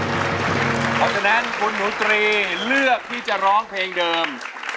เพราะฉะนั้นคุณหนูตรีเลือกที่จะร้องเพลงเดิม